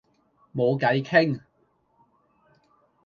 冇計傾